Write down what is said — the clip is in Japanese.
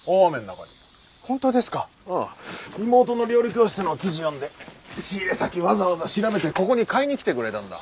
妹の料理教室の記事読んで仕入れ先わざわざ調べてここに買いに来てくれたんだ。